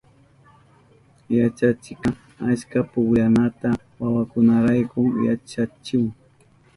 Yachachikka achka pukllanata wawakunarayku yachahun.